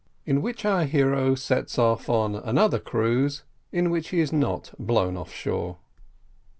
IN WHICH OUR HERO SETS OFF ON ANOTHER CRUISE, IN WHICH HE IS NOT BLOWN OFF SHORE.